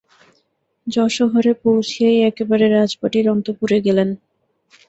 যশোহরে পৌঁছিয়াই একেবারে রাজবাটীর অন্তঃপুরে গেলেন।